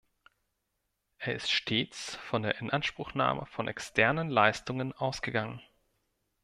Er ist stets von der Inanspruchnahme von externen Leistungen ausgegangen.